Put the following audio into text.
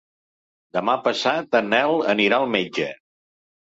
Demà passat en Nel anirà al metge.